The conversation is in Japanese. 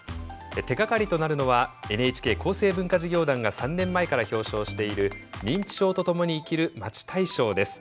手がかりとなるのはＮＨＫ厚生文化事業団が３年前から表彰している「認知症とともに生きるまち大賞」です。